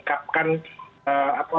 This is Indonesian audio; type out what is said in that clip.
kita harus belajar